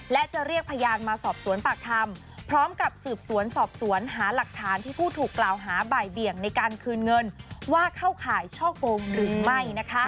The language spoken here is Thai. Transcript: และจะเรียกพยานมาสอบสวนปากคำพร้อมกับสืบสวนสอบสวนหาหลักฐานที่ผู้ถูกกล่าวหาบ่ายเบี่ยงในการคืนเงินว่าเข้าข่ายช่อกงหรือไม่